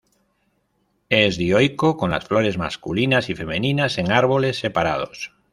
Es dioico, con las flores masculinas y femeninas en árboles separados.